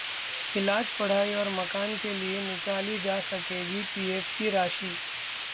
इलाज, पढ़ाई और मकान के लिए निकाली जा सकेगी पीएफ की राशि